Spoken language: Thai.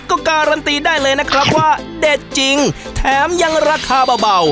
ก็การันตีได้เลยนะครับว่าเด็ดจริงแถมยังราคาเบา